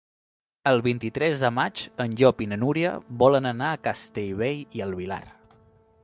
El vint-i-tres de maig en Llop i na Núria volen anar a Castellbell i el Vilar.